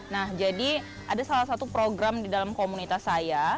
nah jadi ada salah satu program di dalam komunitas saya